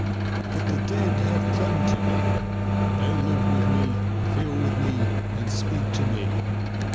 But the dead have clung to me. They live with me, feel with me, and speak to me.